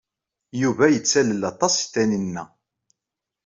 Yuba yettalel aṭas Tanina.